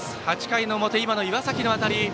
８回の表、今の岩崎の当たり。